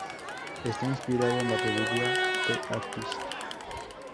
Está inspirado en la película "The Artist".